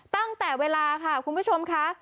ตั้งแต่เวลาค่ะคุณผู้ชมค่ะ